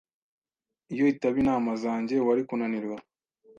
Iyo itaba inama zanjye, wari kunanirwa.